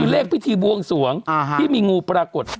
เลขพิธีบวงสวงที่มีงูปรากฏ